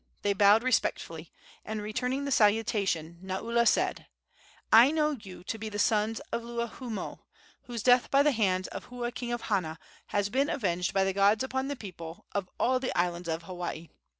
They bowed respectfully, and, returning the salutation, Naula said: "I know you to be the sons of Luahoomoe, whose death by the hands of Hua, King of Hana, has been avenged by the gods upon the people of all the islands of Hawaii.